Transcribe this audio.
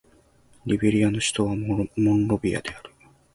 リベリアの首都はモンロビアである